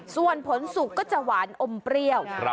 ส่วนผลสุกก็จะหวานอมเปรี้ยว